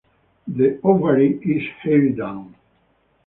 The ovary is hairy down.